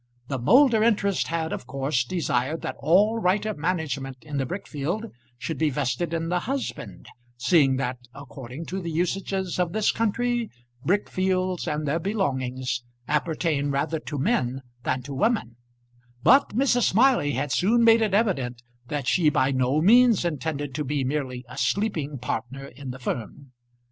The Moulder interest had of course desired that all right of management in the brick field should be vested in the husband, seeing that, according to the usages of this country, brick fields and their belongings appertain rather to men than to women; but Mrs. Smiley had soon made it evident that she by no means intended to be merely a sleeping partner in the firm.